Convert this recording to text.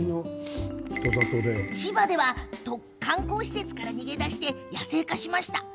千葉では観光施設から逃げ出して野生化しました。